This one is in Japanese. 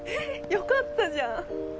よかったじゃん！